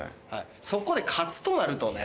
そこで勝つとなるとね。